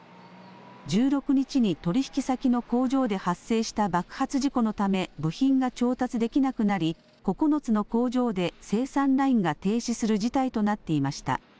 １６日に取引先の工場で発生した爆発事故のため部品が調達できなくなり９つの工場で生産ラインが停止する事態となっていました。